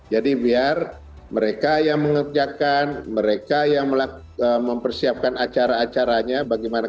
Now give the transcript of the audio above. jadi biar mereka yang mengerjakan mereka yang mempersiapkan acara acaranya bagaimana